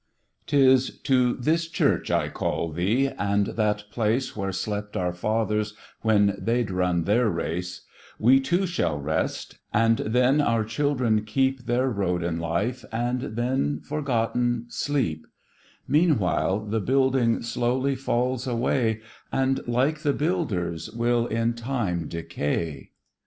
'Tis to this Church I call thee, and that place Where slept our fathers when they'd run their race: We too shall rest, and then our children keep Their road in life, and then, forgotten, sleep; Meanwhile the building slowly falls away, And, like the builders, will in time decay.